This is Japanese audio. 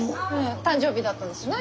誕生日だったんですよね。